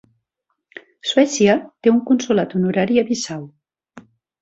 Suècia té un consolat honorari a Bissau.